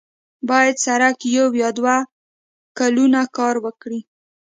باید سړک یو یا دوه کلونه کار ورکړي.